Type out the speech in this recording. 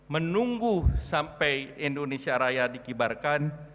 menunggu sampai indonesia raya dikibarkan